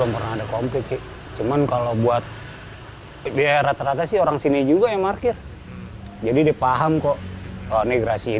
pemilik kendaraan yang tidak memiliki garasi